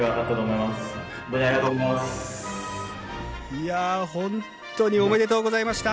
いや本当におめでとうございました。